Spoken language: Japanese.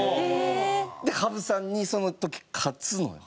で羽生さんにその時勝つのよ。